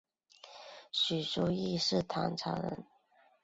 许叔冀是唐朝人。